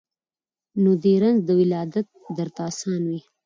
نو دي رنځ د ولادت درته آسان وي